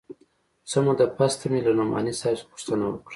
څه موده پس ته مې له نعماني صاحب څخه پوښتنه وکړه.